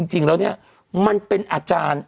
จริงแล้วเนี่ยมันเป็นอาจารย์